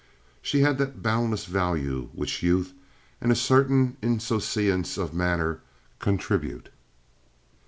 She had that boundless value which youth and a certain insouciance of manner contribute.